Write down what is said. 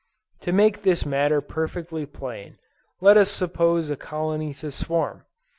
To make this matter perfectly plain, let us suppose a colony to swarm.